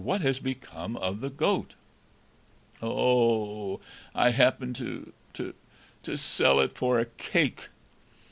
"What has become of the goat?" "Oh h h, I happened to to to sell it for a cake!"